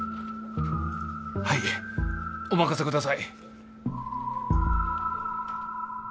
はいお任せください